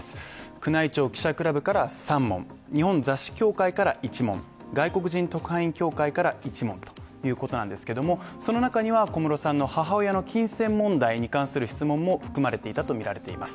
宮内庁記者クラブから３問、日本雑誌社協会から１問、外国人特派員協会から１問、その中には小室さんの母親の金銭問題に関する質問も含まれていたとみられています。